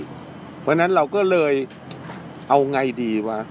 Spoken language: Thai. เพราะฉะนั้นเราก็เลยเอาไงดีวะ